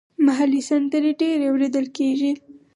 محلي سندرې ډېرې اوریدل کیږي.